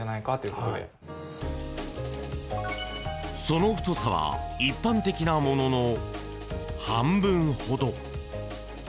その太さは一般的なものの半分ほど。